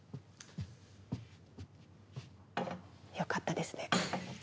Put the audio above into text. よかったですね。